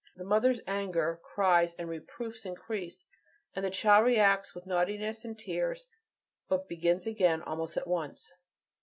The mother's anger, cries, and reproofs increase; and the child reacts with naughtiness and tears; but begins again almost at once.